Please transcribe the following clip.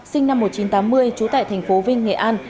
sinh năm một nghìn chín trăm tám mươi trú tại thành phố vinh nghệ an